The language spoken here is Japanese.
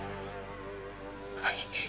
はい。